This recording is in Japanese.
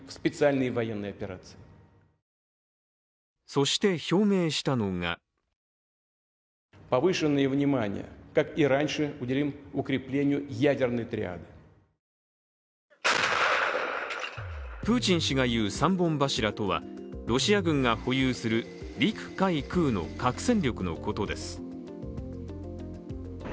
そして表明したのがプーチン氏が言う３本柱とはロシア軍が保有する陸・海・空の核戦力のことです。